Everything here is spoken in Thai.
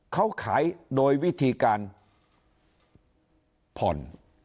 เขาขายโดยวิธีการผ่อน